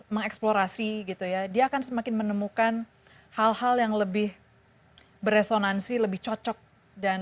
mengeksplorasi gitu ya dia akan semakin menemukan hal hal yang lebih beresonansi lebih cocok dan